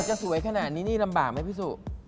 จะสวยขนาดนี้นี่ลำบากไหมพี่สุ